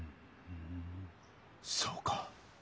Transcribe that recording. そうか。